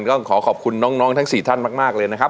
ก็ขอขอบคุณน้องทั้ง๔ท่านมากเลยนะครับ